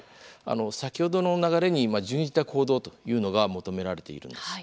先ほどの流れに準じた行動というのが求められているんです。